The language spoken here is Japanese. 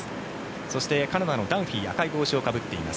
そしてカナダのダンフィー赤い帽子をかぶっています。